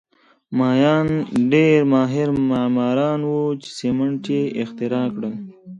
مایان ډېر ماهر معماران وو چې سیمنټ یې اختراع کړل